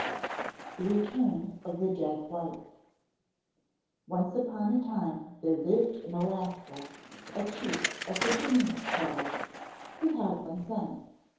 THE RETURN OF THE DEAD WIFE Once upon a time there lived in Alaska a chief of the Tlingit tribe who had one son.